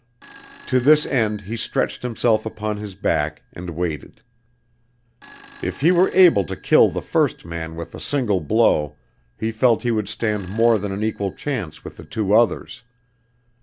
To this end he stretched himself upon his back and waited. If he were able to kill the first man with a single blow, he felt he would stand more than an equal chance with the two others.